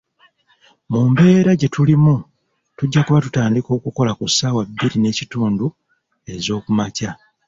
Mu mbeera gye tulimu tujja kuba tutandika okukola ku saawa bbiri n'ekitundu ezookumakya.